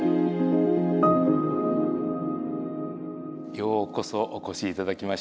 ようこそお越し頂きました。